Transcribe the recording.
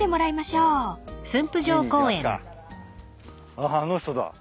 あっあの人だ。